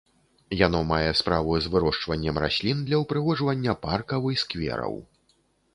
Яно мае справу з вырошчваннем раслін для ўпрыгожвання паркаў і сквераў.